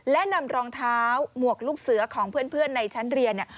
และนำรองเท้าหมวกลูกเสือของเพื่อนในชั้นเรียน